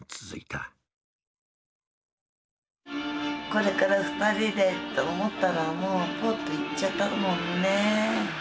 これから２人でと思ったらもうぽっと逝っちゃったもんね。